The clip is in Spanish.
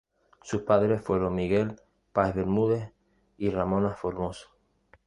Sus padres fueron Miguel Páez Bermúdez y Ramona Formoso.